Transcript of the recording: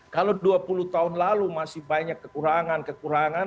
kalau dua puluh tahun lalu masih banyak kekurangan kekurangan